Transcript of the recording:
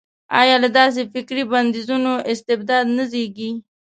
ایا له داسې فکري بندیزونو استبداد نه زېږي.